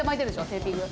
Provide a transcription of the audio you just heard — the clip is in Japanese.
テーピング。